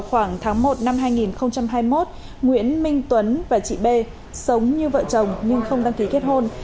khoảng tháng một năm hai nghìn hai mươi một nguyễn minh tuấn và chị b sống như vợ chồng nhưng không đăng ký kết hôn